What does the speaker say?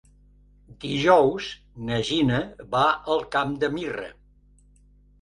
Dijous na Gina va al Camp de Mirra.